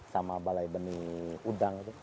sama balai benih udang